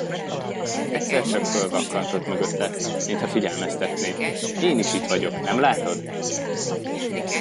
Egyszer csak fölvakkantott mögötte, mintha figyelmeztetné: Én is itt vagyok, nem látod?